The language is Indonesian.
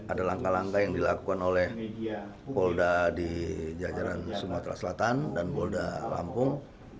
ada langkah langkah yang dilakukan oleh polda di jajaran sumatera selatan dan polda lampung